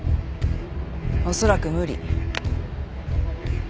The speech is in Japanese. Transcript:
おそらく無理。